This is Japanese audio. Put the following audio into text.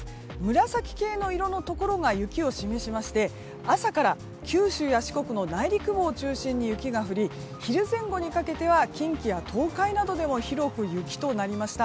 紫系の色のところが雪を示しまして朝から九州や四国の内陸部を中心に雪が降り昼前後にかけては近畿や東海などでも広く雪となりました。